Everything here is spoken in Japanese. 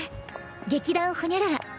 「劇団ほにゃらら」。